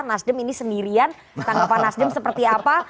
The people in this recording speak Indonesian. nasdem ini sendirian tanggapan nasdem seperti apa